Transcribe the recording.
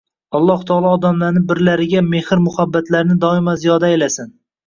Alloh taolo odamlarni birlariga mehr muhabbatlarini doimo ziyoda aylasin